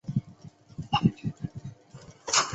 岩手县盛冈市出身。